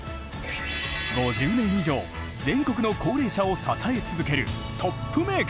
５０年以上全国の高齢者を支え続けるトップメーカーだ。